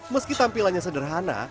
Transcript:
meski tampilannya sederhana